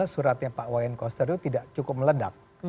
suratnya pak wayan koster itu tidak cukup meledak